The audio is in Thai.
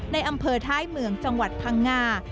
ในอำเภอท้ายเมืองจังหวัดพังงา